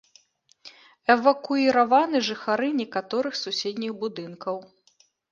Эвакуіраваны жыхары некаторых суседніх будынкаў.